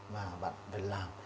và bạn phải làm